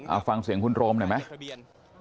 อ่าฟังเสียงคุณโรมได้ไหม